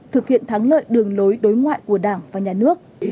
thực hiện thắng lợi đường lối đối ngoại của đảng và nhà nước